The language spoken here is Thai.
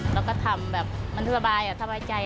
แล้วก็ทำแบบมันสบายสบายใจ